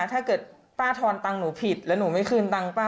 ถ้าเกิดป้าทอนตังค์หนูผิดแล้วหนูไม่คืนตังค์ป้า